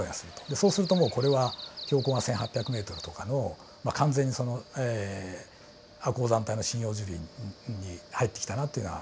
そうするともうこれは標高が１，８００ｍとかのまあ完全にその亜高山帯の針葉樹林に入ってきたなっていうのがわかる。